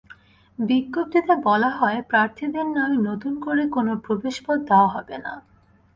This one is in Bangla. বিজ্ঞপ্তিতে বলা হয়, প্রার্থীদের নামে নতুন করে কোনো প্রবেশপত্র দেওয়া হবে না।